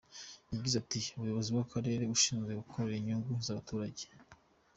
Yagize ati “Umuyobozi w’akarere ashinzwe gukorera inyungu z’abaturage.